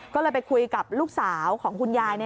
ก็เลยไปคุยกับลูกสาวของคุณยาย